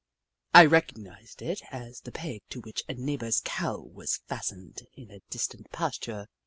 I recognised it as the peg to which a neighbour's Cow was fastened in a distant pasture.